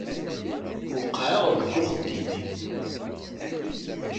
Weqɛeɣ deg uxeddim-iw.